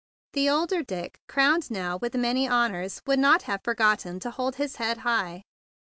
The older Dick, crowned now with many honors, would not have forgotten to hold his head high.